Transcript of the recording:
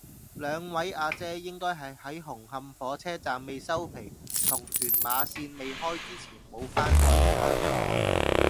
兩位阿姐應該係喺紅磡火車站未收皮同屯馬綫未開之前冇返過嚟香港